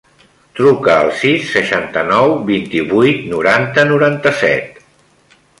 Truca al sis, seixanta-nou, vint-i-vuit, noranta, noranta-set.